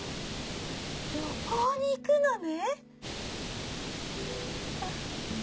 旅行に行くのね！